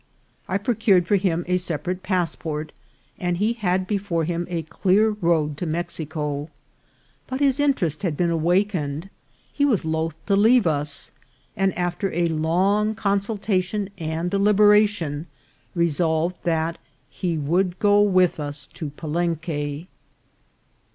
I procured for him a separate passport, and he had before him a clear road to Mexico ; but his interest had been awakened ; he was loth to leave us, and after a long consultation and deliberation resolved that he would go with us to Palenque.